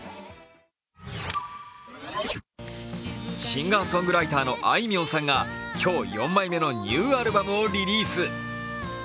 シンガーソングライターのあいみょんさんが、今日４枚目のニューアルバムをリリース。